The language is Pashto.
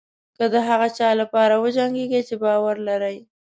که د هغه څه لپاره وجنګېږئ چې باور لرئ.